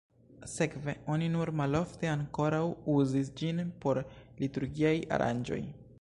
Sekve oni nur malofte ankoraŭ uzis ĝin por liturgiaj aranĝoj.